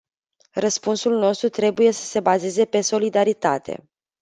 Răspunsul nostru trebuie să se bazeze pe solidaritate.